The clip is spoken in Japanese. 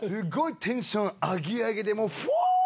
テンションアゲアゲでフォーッ！